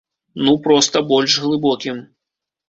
Ну, проста, больш глыбокім.